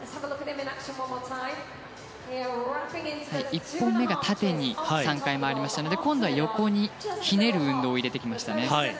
１本目が縦に３回、回りましたので今度は横にひねる運動を入れてきましたね。